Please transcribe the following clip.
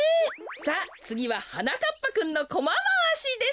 さあつぎははなかっぱくんのコマまわしです。